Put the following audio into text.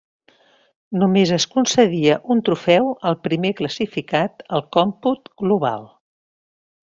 Només es concedia un trofeu al primer classificat al còmput global.